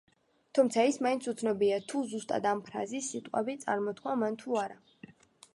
თუმცა, ის მაინც უცნობია თუ ზუსტად ამ ფრაზის სიტყვები წარმოთქვა მან თუ არა.